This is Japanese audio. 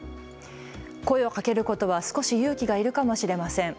声をかけることは少し勇気がいるかもしれません。